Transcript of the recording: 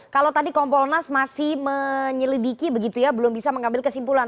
kalau tadi kompolnas masih menyelidiki begitu ya belum bisa mengambil kesimpulan